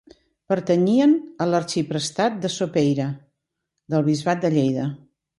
Pertanyien a l'arxiprestat de Sopeira, del bisbat de Lleida.